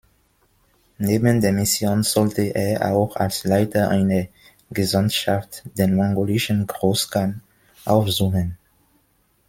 Neben der Mission sollte er auch als Leiter einer Gesandtschaft den mongolischen Großkhan aufsuchen.